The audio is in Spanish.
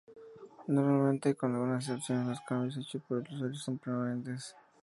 Normalmente, con algunas excepciones, los cambios hechos por el usuario son permanentes.